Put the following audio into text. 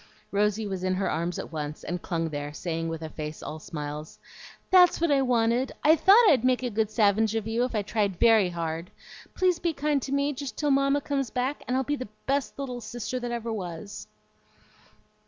Rosy was in her arms at once, and clung there, saying with a face all smiles, "That's what I wanted! I thought I'd make a good savinge of you if I tried VERY hard. Please be kind to me just till Mamma comes back, and I'll be the best little sister that ever was."